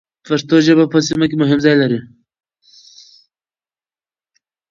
پښتو ژبه په سیمه کې مهم ځای لري.